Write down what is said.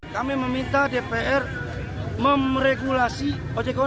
kami meminta dpr memregulasi ojol